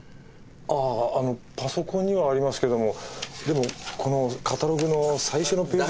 ああのパソコンにはありますけどもでもこのカタログの最初のページ。